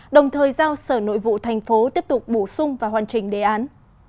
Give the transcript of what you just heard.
đồng thời giao sở nội vụ thành phố tiếp tục bổ sung và hoàn chỉnh đề án